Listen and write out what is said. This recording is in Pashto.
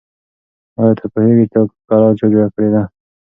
آیا ته پوهېږې چې دا کلا چا جوړه کړې ده؟